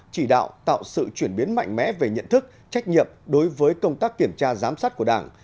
chỉ đạo tạo sự chuyển biến mạnh mẽ về nhận thức trách nhiệm đối với công tác kiểm tra giám sát của đảng